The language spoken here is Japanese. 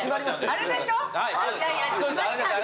あれでしょ？